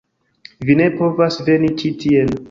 Vi ne povas veni ĉi tien.